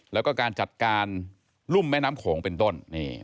แล้วก็การจัดการรุ่มแม่น้ำโขงเป็นต้น